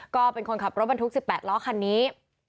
ก็เป็นคนขับรถบรรทุก๑๘ล้อคันนี้